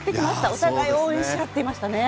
お互いを応援し合ってましたね。